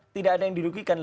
tidak ada yang didudukikan